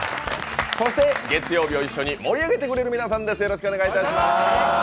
月曜日を一緒に盛り上げてくれる皆さんです。